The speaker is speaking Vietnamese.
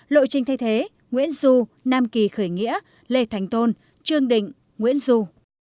lộ trình thay thế nguyễn du nam kỳ khởi nghĩa lê thánh tôn trương định nguyễn du